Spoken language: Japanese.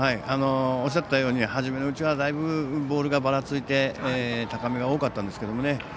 おっしゃったように初めのうちはだいぶボールがばらついて高めが多かったんですけどね。